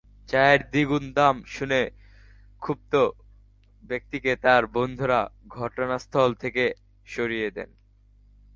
চায়ের দ্বিগুণ দাম শুনে ক্ষুব্ধ ব্যক্তিকে তাঁর বন্ধুরা ঘটনাস্থল থেকে সরিয়ে নেন।